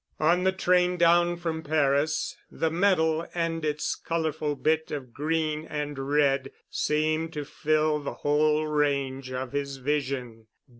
On the train down from Paris, the medal and its colorful bit of green and red seemed to fill the whole range of his vision.